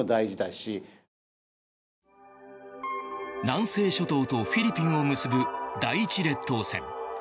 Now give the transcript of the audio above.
南西諸島とフィリピンを結ぶ第一列島線。